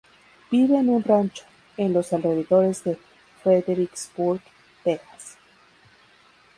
Vive en un rancho, en los alrededores de Fredericksburg, Texas.